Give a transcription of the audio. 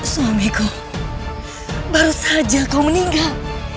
suami ku baru saja kau meninggal